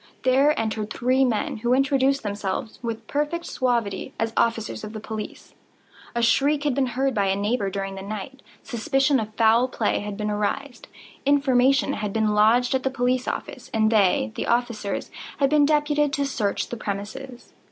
There entered three men, who introduced themselves, with perfect suavity, as officers of the police. A shriek had been heard by a neighbour during the night; suspicion of foul play had been aroused; information had been lodged at the police office, and they (the officers) had been deputed to search the premises.